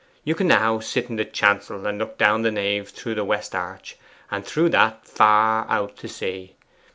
You can now sit in the chancel, and look down the nave through the west arch, and through that far out to sea.